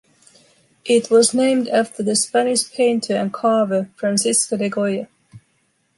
It was named after the Spanish painter and carver Francisco de Goya.